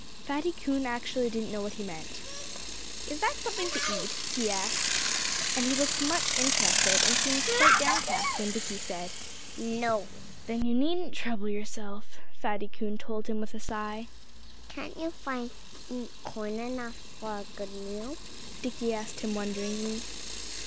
Fatty Coon actually didn't know what he meant. "Is that something to eat?" he asked. And he looked much interested, and seemed quite downcast when Dickie said "No!" "Then you needn't trouble yourself," Fatty Coon told him with a sigh. "Can't you find corn enough for a good meal?" Dickie asked him wonderingly.